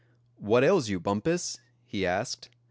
"What ails you, Bumpus?" he asked.